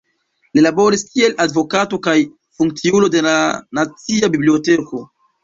Li laboris kiel advokato kaj funkciulo de la Nacia Biblioteko.